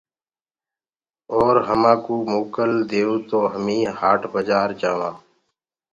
اور همآ ڪو موڪل ديئو تو همي هآٽ بآجآر جآوانٚ۔